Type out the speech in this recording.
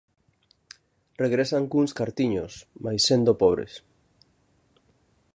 Regresan cuns cartiños, mais sendo pobres.